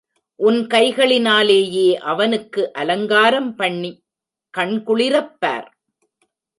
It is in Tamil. உன் கைகளினாலேயே அவனுக்கு அலங்காரம் பண்ணிக் கண்குளிரப்பார்.